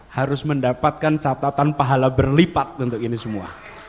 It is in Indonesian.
harus mendapatkan catatan pahala berlipat untuk ini semua